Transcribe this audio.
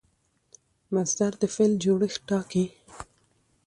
مصدر د فعل جوړښت ټاکي.